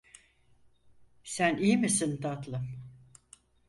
Sen iyi misin, tatlım?